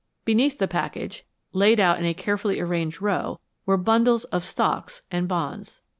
Beneath the package, laid out in a carefully arranged row, were bundles of stocks and bonds.